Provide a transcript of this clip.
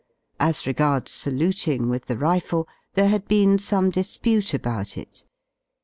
As regards saluting with \ the rifle y there had been some dispute about it.